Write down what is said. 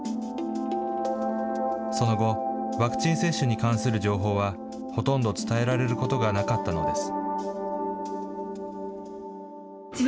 その後、ワクチン接種に関する情報は、ほとんど伝えられることがなかったのです。